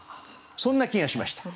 そんな気がしました。